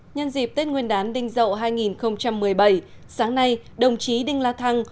nhân dịp tết nguyên đán đinh dậu hai nghìn một mươi bảy sáng nay đồng chí đinh la thăng